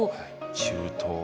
中東